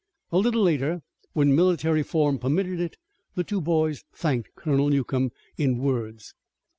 A little later, when military form permitted it, the two boys thanked Colonel Newcomb in words.